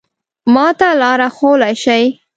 ما ته لاره ښوولای شې؟